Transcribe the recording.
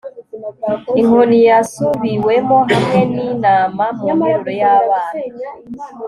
inkoni yasubiwemo, hamwe n'inama mu nteruro y'abana